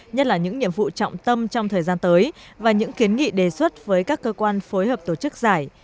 nhất là những nhiệm vụ trọng tâm trong thời gian tới và những kiến nghị đề xuất với các cơ quan phối hợp tổ chức giải